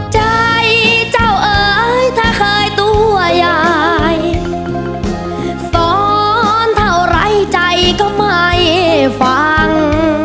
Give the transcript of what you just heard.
ใจเจ้าเอ๋ยถ้าเคยตัวยายสอนเท่าไรใจก็ไม่ฟัง